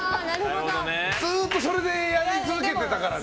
ずっとそれでやり続けてたからね。